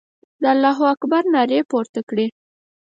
د الله اکبر نارې پورته کړې.